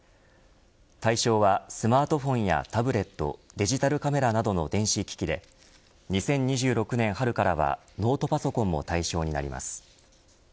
対象はスマートフォンやタブレットデジタルカメラなどの電子機器で２０２６年春からはノートパソコンも対象になります。